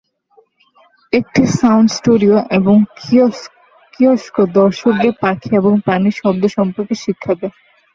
একটি sound studio এবং kiosk দর্শকদের পাখি এবং প্রাণীর শব্দ সম্পর্কে শিক্ষা দেয়।